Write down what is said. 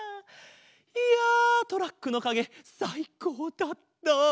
いやトラックのかげさいこうだった。